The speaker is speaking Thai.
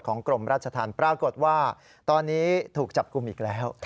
กรมราชธรรมปรากฏว่าตอนนี้ถูกจับกลุ่มอีกแล้ว